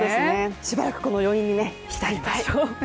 しばらくこの余韻に浸りましょう。